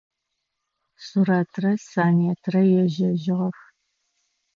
Сурэтрэ Санетрэ ежьэжьыгъэх.